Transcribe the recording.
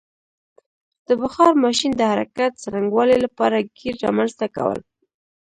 د بخار ماشین د حرکت څرنګوالي لپاره ګېر رامنځته کول.